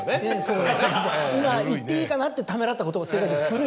今言っていいかな？ってためらった言葉。